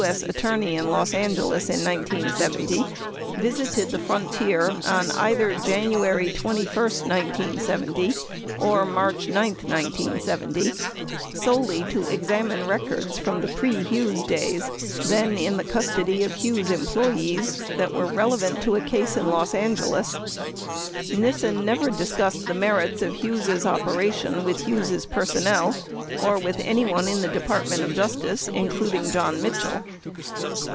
S. at torney in Los Angeles in 1970, visited the Frontier on either January 21, 1970, or March 9, 1970, solely to examine records from the pre Hughes days, then in the custody of Hughes' employees that were relevant to a case in Los Angeles. Nissen never discussed the merits of Hughes' op eration with Hughes' personnel or with any one in the Department of Justice, including John Mitchell.